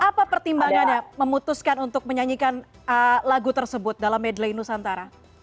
apa pertimbangannya memutuskan untuk menyanyikan lagu tersebut dalam medley nusantara